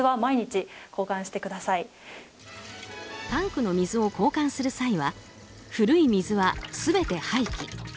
タンクの水を交換する際は古い水は全て廃棄。